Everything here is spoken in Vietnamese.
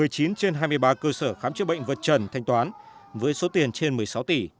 một mươi chín trên hai mươi ba cơ sở khám chữa bệnh vượt trần thanh toán với số tiền trên một mươi sáu tỷ